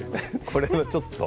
これはちょっと。